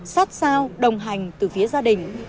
sát sao đồng hành từ phía gia đình